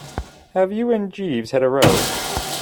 Have you and Jeeves had a row?